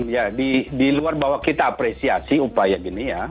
ya di luar bahwa kita apresiasi upaya gini ya